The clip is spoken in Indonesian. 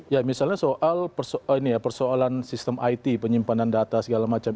ya misalnya soal persoalan sistem it penyimpanan data segala macam